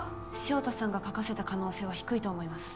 潮田さんが書かせた可能性は低いと思います。